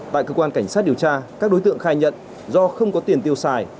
tại cơ quan cảnh sát điều tra các đối tượng khai nhận do không có tiền tiêu xài